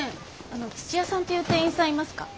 あの土屋さんっていう店員さんいますか？